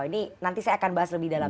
ini nanti saya akan bahas lebih dalam